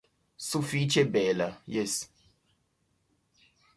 Sufiĉe bela, jes.